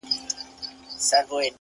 ستا د خولې خندا يې خوښه سـوېده،